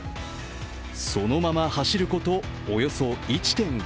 そのまま走ることおよそ１．５ｋｍ。